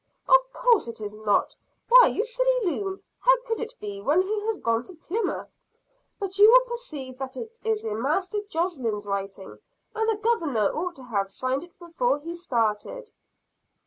"Of course it is not why, you silly loon, how could it be when he has gone to Plymouth? But you will perceive that it is in Master Josslyn's writing and the Governor ought to have signed it before he started."